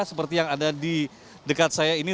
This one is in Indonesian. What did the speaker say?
seperti yang ada di dekat saya ini